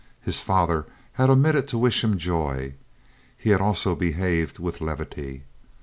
His father had omitted to wish him joy ; had also behaved with levity.